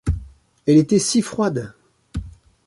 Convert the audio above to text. Elle était si froide!